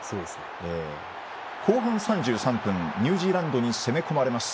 後半３３分ニュージーランドに攻め込まれます。